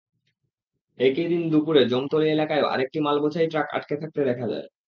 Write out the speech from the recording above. একই দিন দুপুরে জমতলী এলাকায়ও আরেকটি মালবোঝাই ট্রাক আটকে থাকতে দেখা যায়।